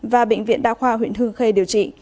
và bệnh viện đa khoa huyện hương khê điều trị